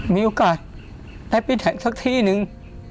มีโอกาสได้ไปแข่งสักที่นึง